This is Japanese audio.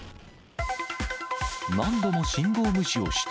何度も信号無視をした。